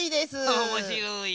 おもしろい。